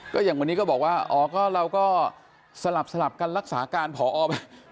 ก็อย่างวันนี้ก็บอกว่าอ๋อก็เราก็สลับกันรักษาการผอไป